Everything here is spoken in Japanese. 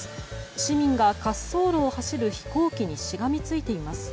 市民が滑走路を走る飛行機にしがみついています。